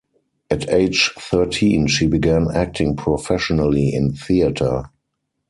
At age thirteen, she began acting professionally in theatre.